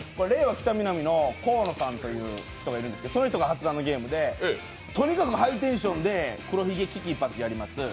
喜多みな実の河野さんという人がいるんですが、その人が発案のゲームで、とにかくハイテンションで黒ひげ危機一発をやります。